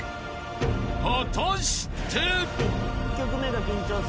［果たして？］